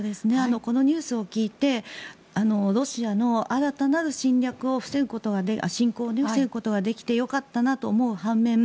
このニュースを聞いてロシアの新たなる侵攻を防ぐことができてよかったなと思う半面